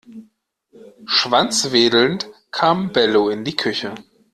Schwanzwedelnd kam Bello in die Küche.